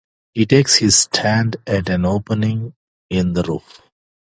He takes his stand at an opening in the roof.